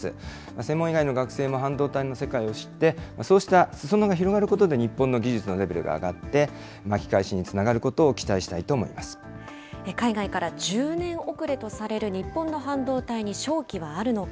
専門以外の学生も半導体の世界を知って、そうしたすそ野が広がることで日本の技術のレベルが上がって、巻き返しにつながることを海外から１０年遅れとされる日本の半導体に勝機はあるのか。